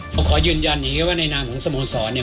ผมขอยืนยันอย่างนี้ว่าในนามของสโมสรเนี่ย